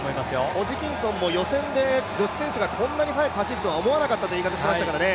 ホジキンソンも予選で女子選手がこんなに速く走るとは思わなかったと話していましたからね。